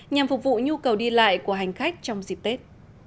nhằm phục vụ nhu cầu đi lại của hành khách trong dịp tết